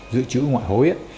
dự trữ ngoại hối